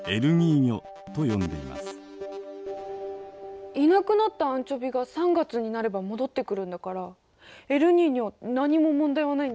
いなくなったアンチョビが３月になれば戻ってくるんだからエルニーニョ何も問題はないんじゃないの？